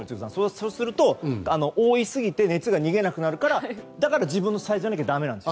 そうすると覆いすぎて熱が出なくなるからだから自分のサイズじゃないといけないんです。